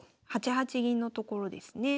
８八銀のところですね。